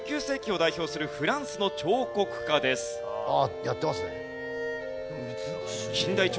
ああやってますね。